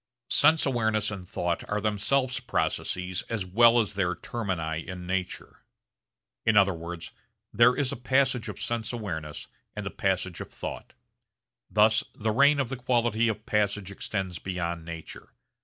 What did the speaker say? Sense awareness and thought are themselves processes as well as their termini in nature. In other words there is a passage of sense awareness and a passage of thought. Thus the reign of the quality of passage extends beyond nature.